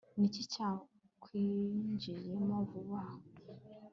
ni iki cyakwinjiyemo vuba aha